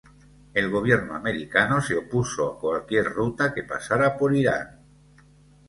El gobierno americano se opuso a cualquier ruta que pasara por Irán.